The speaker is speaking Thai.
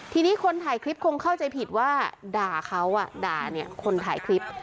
ทีนี้คนถ่ายคลิปคงเข้าใจผิดว่าด่าเขาด่าเนี่ยคนถ่ายคลิป